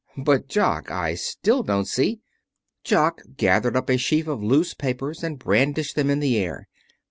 "But, Jock, I still don't see " Jock gathered up a sheaf of loose papers and brandished them in the air.